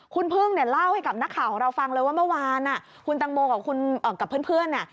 คุณพึ่งเนี่ยเล่าให้กับนักข่าวของเราฟังเลยว่าเมื่อวานคุณตังโมกับเพื่อนเนี่ย